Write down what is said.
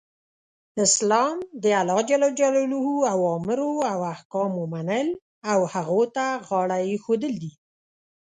اسلام د الله ج اوامرو او احکامو منل او هغو ته غاړه ایښودل دی .